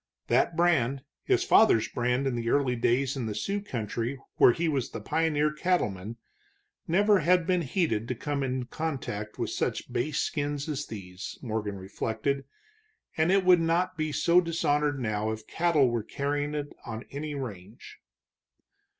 That brand, his father's brand in the early days in the Sioux country where he was the pioneer cattleman, never had been heated to come in contact with such base skins as these, Morgan reflected, and it would not be so dishonored now if cattle were carrying it on any range.